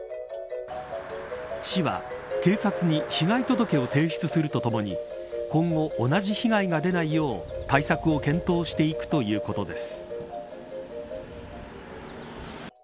市は警察に被害届を提出するとともに今後、同じ被害が出ないよう対策を検討していくということです。